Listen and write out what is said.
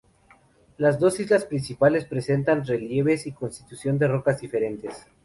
Las dos islas principales presentan relieves y constitución de rocas diferentes.